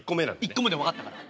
１個目でも分かったから。